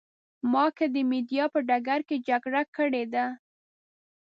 ما که د مېډیا په ډګر کې جګړه کړې ده.